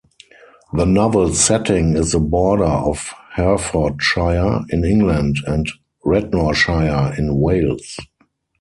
The novel's setting is the border of Herefordshire, in England, and Radnorshire, in Wales.